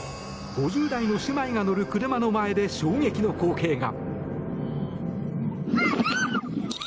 ５０代の姉妹が乗る車の前で衝撃の光景が。